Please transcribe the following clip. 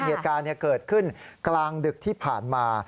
เหตุการณ์เกิดขึ้นกลางดึกที่ผ่านมา